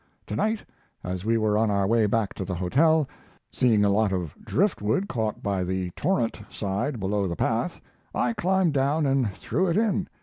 Tonight, as we were on our way back to the hotel, seeing a lot of driftwood caught by the torrent side below the path, I climbed down and threw it in.